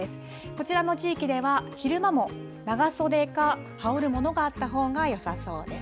こちらの地域では、昼間も長袖か羽織るものがあったほうがよさそうです。